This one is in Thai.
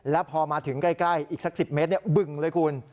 แล้วพอมาถึงใกล้อีกสัก๑๐เมตรบึงเลยคุณ